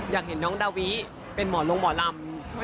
อยากเห็นน้องดาวิเป็นหมอลงหมอลำ